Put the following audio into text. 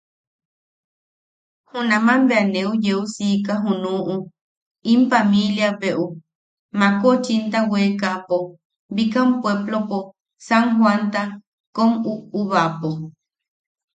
Junaman bea neu yeu siika junuʼu in pamilia bweʼu makoʼochinta weekaʼapo bikam puepplopo, San Joanta kom uʼubaʼapo.